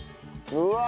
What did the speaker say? うわ！